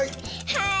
はい。